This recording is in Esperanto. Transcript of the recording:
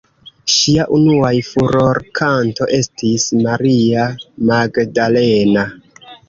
Ŝia unua furorkanto estis "Maria Magdalena".